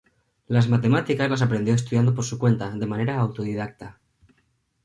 Las matemáticas las aprendió estudiando por su cuenta, de manera autodidacta.